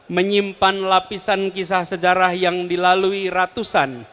menyimpan lapisan kisah sejarah yang dilalui ratusan